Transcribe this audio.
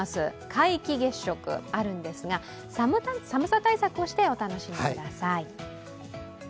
皆既月食があるんですが、寒さ対策をしてお楽しみください。